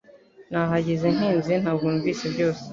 Nahageze ntinze ntabwo numvise byose